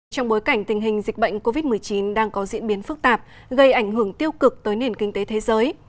trong bối cảnh tình hình dịch bệnh covid một mươi chín đang có diễn biến phức tạp gây ảnh hưởng tiêu cực tới nền kinh tế thế giới